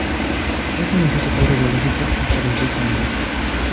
No conoció a su padre biológico hasta los doce años.